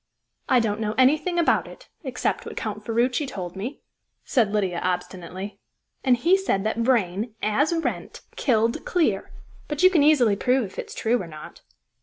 "I don't know anything about it, except what Count Ferruci told me," said Lydia obstinately. "And he said that Vrain, as Wrent, killed Clear. But you can easily prove if it's true or not."